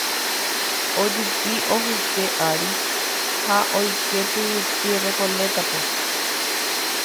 ojupi ogyke ári ha oike tyvyty Recoleta-pe